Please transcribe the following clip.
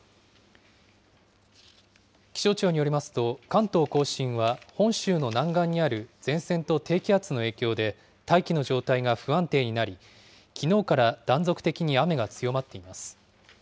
気象庁によりますと、関東甲信は本州の南岸にある前線と低気圧の影響で、大気の状態が不安定になり、きのうから断続的に雨が強まっています。